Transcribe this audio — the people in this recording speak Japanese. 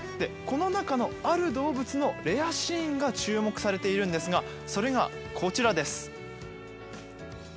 この中のある動物のレアシーンが注目されているんですが、それがこちらです。